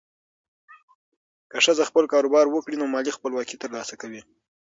که ښځه خپل کاروبار وکړي، نو مالي خپلواکي ترلاسه کوي.